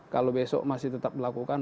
kalau besok masih tetap dilakukan